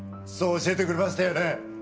そう教えてくれましたよね。